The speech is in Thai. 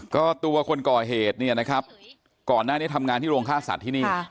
ก็ตัวคนก่อเหตุเนี่ยนะครับก่อนหน้านี้ทำงานที่โรงฆ่าสัตว์ที่นี่